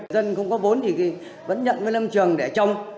dân không có vốn thì vẫn nhận với lâm trường để trồng